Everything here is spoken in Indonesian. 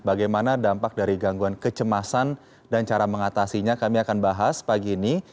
bagaimana dampak dari gangguan kecemasan dan cara mengatasinya kami akan bahas pagi ini